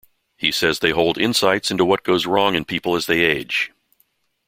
He says they hold insights into what goes wrong in people as they age.